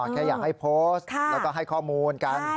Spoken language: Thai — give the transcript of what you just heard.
แค่อยากให้โพสต์แล้วก็ให้ข้อมูลกัน